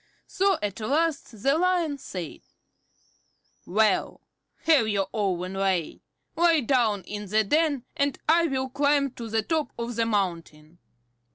So at last the Lion said: "Well, have your own way. Lie down in the den, and I will climb to the top of the mountain."